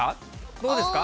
どうですか。